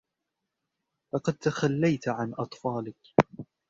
لقد تخلّيت عن أطفالك.